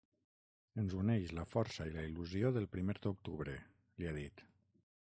Ens uneix la força i la il·lusió del Primer d’Octubre, li ha dit.